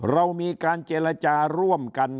เรามีการเจรจาร่วมกัน